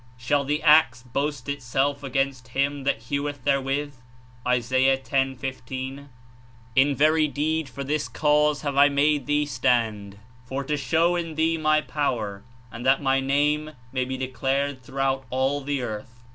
*^ Shall the axe boast itself against him that hezveth therciiithf (Is. 10.15.) '^^" "^'^^V deed for this cause have I made thee stand, for to 38 show in thee my power; and that my name may he declared throughout all the earth."